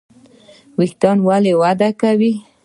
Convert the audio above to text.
ویښتان ولې وده کوي؟